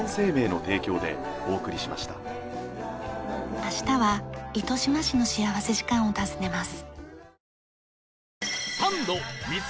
明日は糸島市の幸福時間を訪ねます。